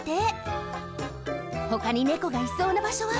ほかに猫がいそうな場所は？